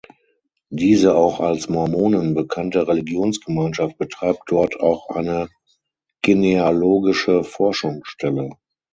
Diese auch als „Mormonen“ bekannte Religionsgemeinschaft betreibt dort auch eine genealogische Forschungsstelle.